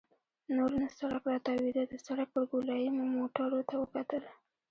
نور نو سړک راتاوېده، د سړک پر ګولایې مو موټرو ته وکتل.